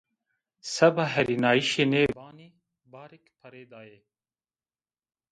Seba hêrînayîşê nê banî barêk pereyî dayê.